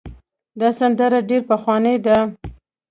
دا سندره ډېره پخوانۍ ده.